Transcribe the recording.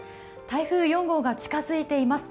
台風４号が近づいています。